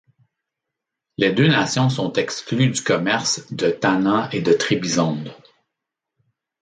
Les deux nations sont exclues du commerce de Tana et de Trébizonde.